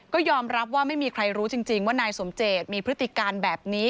ก็ยอมรับว่าไม่มีใครรู้จริงว่านายสมเจตมีพฤติการแบบนี้